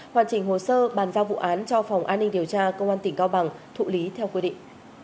hoàn chỉnh hồ sơ bàn giao vụ án cho phòng an ninh điều tra công an tỉnh cao bằng thụ lý theo quy định